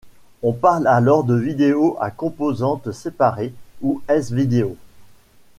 On parle alors de vidéo à composantes séparées ou S-video.